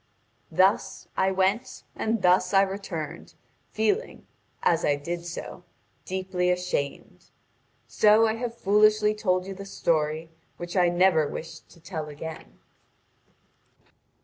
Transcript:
Thus I went and thus I returned, feeling, as I did so, deeply ashamed. So I have foolishly told you the story which I never wished to tell again."